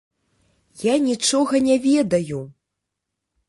Я нічога не ведаю!